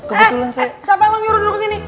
eh siapa yang nyuruh duduk disini